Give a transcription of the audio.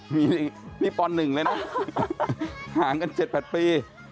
มีนี่ป๑เลยนะห่างกัน๗๘ปี